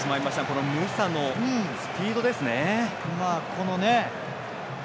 このムサのスピードですね。